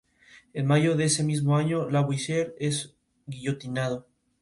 En mayo de ese mismo año, Lavoisier es guillotinado.